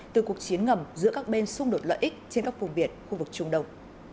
từ cuộc chiến ngầm giữa các bên xung đột lợi ích trên các vùng biển khu vực trung đông